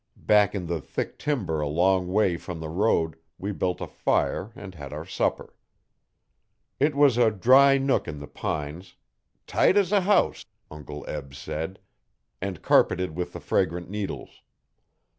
Back in the thick timber a long way from the road, we built a fire and had our supper. It was a dry nook in the pines 'tight as a house,' Uncle Eb said and carpeted with the fragrant needles.